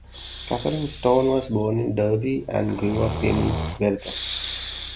Kathryn Stone was born in Derby and grew up in Belper.